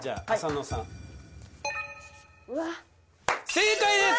正解です。